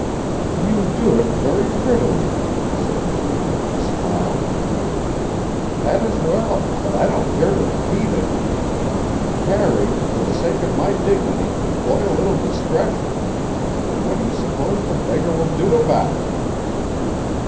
"You do it very prettily," said she, with a smile. "That is well, but I don't care to repeat it. Harry, for the sake of my dignity, employ a little discretion. And what do you suppose the beggar will do about it?"